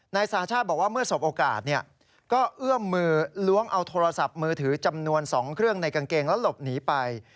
นายสาชาติบอกว่าเมื่อสบโอกาสก็เอื้อมมือล้วงเอาโทรศัพท์มือถือจำนวน๒เครื่องในกางเกงแล้วหลบหนีไป